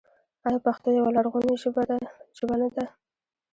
آیا پښتو یوه لرغونې ژبه نه ده؟